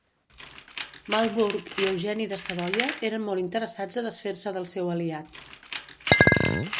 Marlborough i Eugeni de Savoia eren molt interessats a desfer-se del seu aliat.